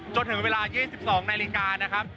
จนถึงเวลา๒๒นาฬิกานะครับ